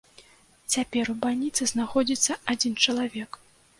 Цяпер у бальніцы знаходзіцца адзін чалавек.